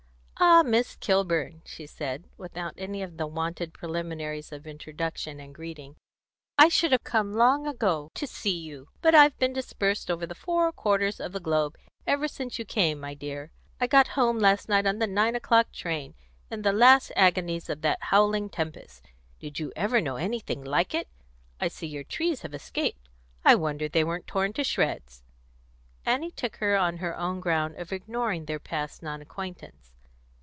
"Ah, Miss Kilburn!" she said, without any of the wonted preliminaries of introduction and greeting. "I should have come long ago to see you, but I've been dispersed over the four quarters of the globe ever since you came, my dear. I got home last night on the nine o'clock train, in the last agonies of that howling tempest. Did you ever know anything like it? I see your trees have escaped. I wonder they weren't torn to shreds." Annie took her on her own ground of ignoring their past non acquaintance.